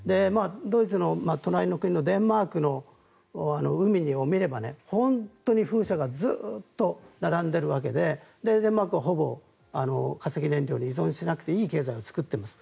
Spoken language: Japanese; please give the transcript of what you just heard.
ドイツの隣の国のデンマークの海を見れば本当に風車がずっと並んでいるわけでデンマークはほぼ化石燃料に依存しなくていい経済を作っています。